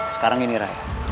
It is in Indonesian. sekarang gini raya